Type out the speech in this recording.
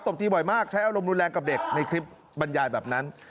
ตีบ่อยมากใช้อารมณ์รุนแรงกับเด็กในคลิปบรรยายแบบนั้น